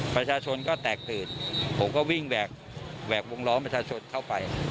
ประชาชนก็แตกตื่นผมก็วิ่งแหวกวงล้อมประชาชนเข้าไป